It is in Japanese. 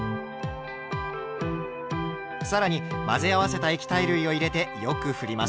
更に混ぜ合わせた液体類を入れてよくふります。